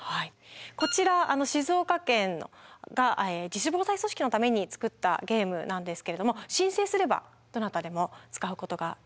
こちら静岡県が自主防災組織のために作ったゲームなんですけれども申請すればどなたでも使うことができます。